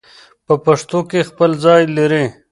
په پښتو کې خپل ځای لري